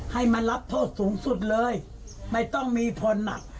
ให้มันรับโทษสูงสุดเลยไม่ต้องมีผลอ่ะ